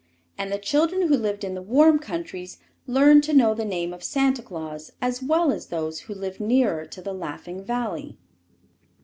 And the children who lived in the warm countries learned to know the name of Santa Claus as well as those who lived nearer to the Laughing Valley.